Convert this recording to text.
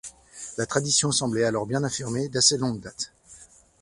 La tradition semblait alors bien affirmée d'assez longue date.